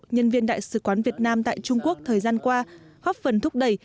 nhân viên đại sứ quán việt nam tại trung quốc thời gian qua góp phần thúc đẩy